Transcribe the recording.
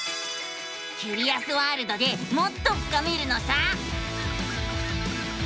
キュリアスワールドでもっと深めるのさ！